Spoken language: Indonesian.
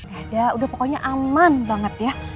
udah udah pokoknya aman banget ya